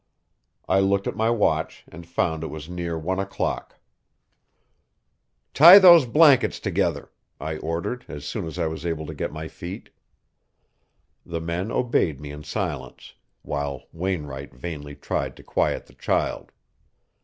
I looked at my watch, and found it was near one o'clock. "Tie those blankets together," I ordered, as soon as I was able to get my feet. The men obeyed me in silence, while Wainwright vainly tried to quiet the child.